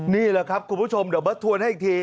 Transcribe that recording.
นี่แหละครับคุณผู้ชมเดี๋ยวเบิร์ตทวนให้อีกที